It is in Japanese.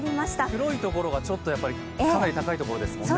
黒いところが、かなり高いところですもんね。